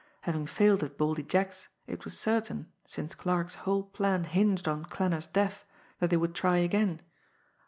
Having failed at Baldy Jack's, it was certain, since Clarke's whole plan hinged on Klanner's death, that they would try again.